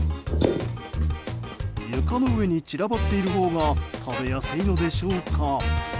床の上に散らばっているほうが食べやすいのでしょうか。